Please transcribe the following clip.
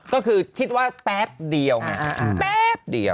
ก็คือคิดว่าแป๊บเดียวไงแป๊บเดียว